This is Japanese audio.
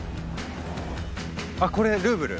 あこれルーブル？